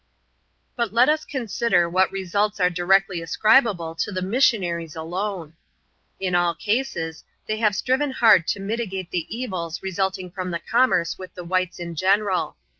But let us consider what results are directly ascribable to the ipissionaries alone. In all cases, they have striven hard to mitigate the evils rc fiiulting from the commerce with the whites in general.